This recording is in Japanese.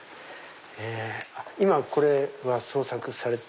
今これは創作されて。